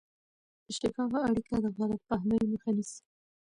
شفافه اړیکه د غلط فهمۍ مخه نیسي.